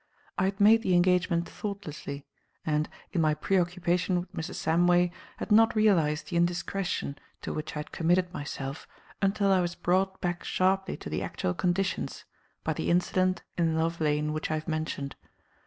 I had made the engagement thoughtlessly, and, in my preoccupation with Mrs. Samway, had not realized the indiscretion to which I had committed myself until I was brought back sharply to the actual conditions by the incident in Love Lane which I have mentioned.